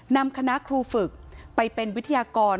นำคณะครูฝึกไปเป็นวิทยากร